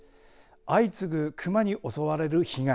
相次ぐ熊に襲われる被害。